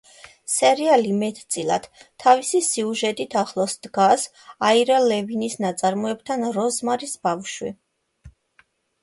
სერიალი მეტწილად, თავისი სიუჟეტით ახლოს დგას აირა ლევინის ნაწარმოებთან „როზმარის ბავშვი“.